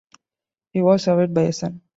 He was survived by a son.